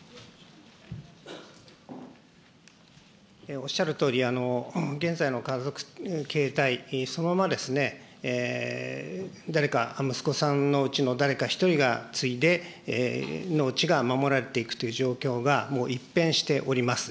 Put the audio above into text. おっしゃるとおり、現在の家族経営体、そのまま誰か、息子さんのうちの誰か一人が継いで、農地が守られていくという状況が、もう一変しております。